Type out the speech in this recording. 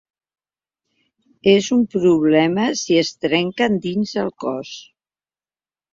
És un problema si es trenquen dins del cos.